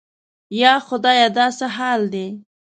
یا خدایه دا څه حال دی؟